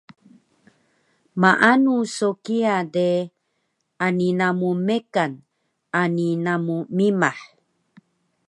Maanu so kiya de ani namu mekan ani namu mimah